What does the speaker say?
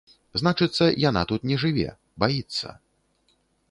Значыцца, яна тут не жыве, баіцца.